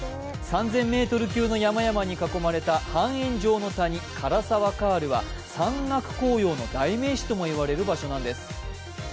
３０００ｍ級の山々に囲まれた半円状の谷、涸沢カールは山岳紅葉の代名詞ともいわれる場所なんです。